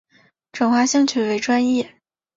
转化兴趣为专业